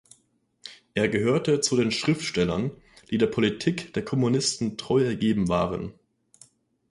Er gehörte zu den Schriftstellern, die der Politik der Kommunisten treu ergeben waren.